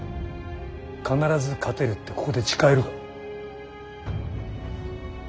必ず勝てるってここで誓えるか。